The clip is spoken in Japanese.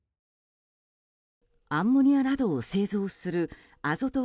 アンモニアなどを製造するアゾト